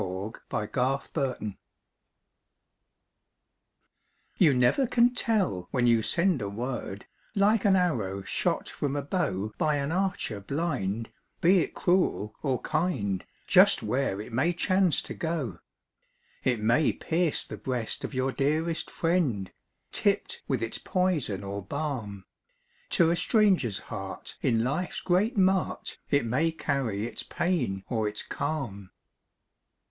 YOU NEVER CAN TELL You never can tell when you send a word, Like an arrow shot from a bow By an archer blind, be it cruel or kind, Just where it may chance to go! It may pierce the breast of your dearest friend, Tipped with its poison or balm; To a stranger's heart in life's great mart, It may carry its pain or its calm.